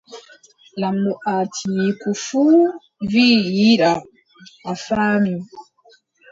Lamɗo Atiiku fuu wii yiɗaa. a faami.